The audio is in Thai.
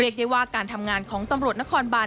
ได้ว่าการทำงานของตำรวจนครบาน